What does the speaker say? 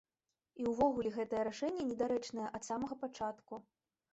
І ўвогуле гэтае рашэнне недарэчнае ад самага пачатку.